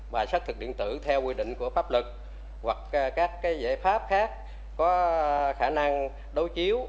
và xác thực điện tử theo quy định của pháp luật hoặc các giải pháp khác có khả năng đối chiếu